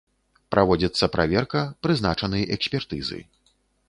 Праводзіцца праверка, прызначаны экспертызы.